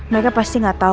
mereka pasti gak tau